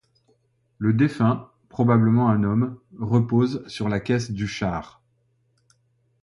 Le défunt, probablement un homme, repose sur la caisse du char.